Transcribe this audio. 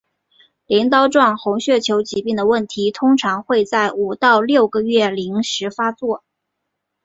镰刀状红血球疾病的问题通常会在五到六个月龄时发作。